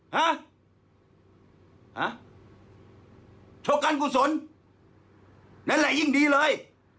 ฮะชกกันกูสนนั่นแหละยิ่งดีเลย